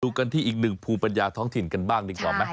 กันที่อีกหนึ่งภูมิปัญญาท้องถิ่นกันบ้างดีกว่าไหม